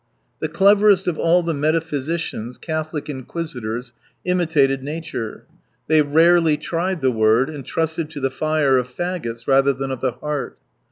The cleverest of all the metaphysi cians. Catholic inquisitors, imitated nature. They rarely tried the word, and trusted to the fire of faggots rather than of the heart.